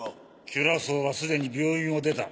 キュラソーはすでに病院を出た。